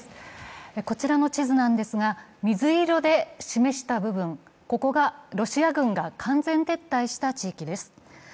こちらの地図なんですが水色で示した部分、ここがロシア軍が完全撤退した地域です。